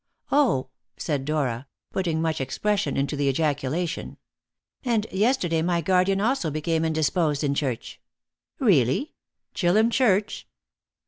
"Oh!" said Dora, putting much expression into the ejaculation; "and yesterday my guardian also became indisposed in church." "Really? Chillum Church?"